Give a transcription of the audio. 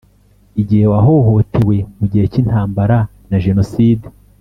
igihe wahohotewe mu gihe cy’intambara na jenoside